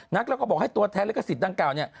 แล้วก็บอกให้ตัวแทนลิขสิทธิ์ดังกล่าวเนี่ย